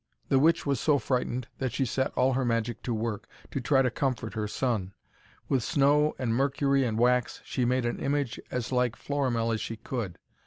The witch was so frightened that she set all her magic to work, to try to comfort her son. With snow and mercury and wax she made an image as like Florimell as she could.